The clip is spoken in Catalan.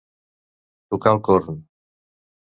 Tocar el corn.